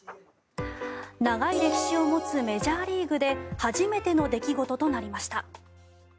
長い歴史を持つメジャーリーグで初めての出来事となりました。